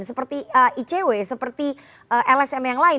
seperti icw seperti lsm yang lain